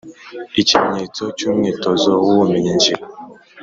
Ikimenyetso cy’umwitozo w’ubumenyingiro.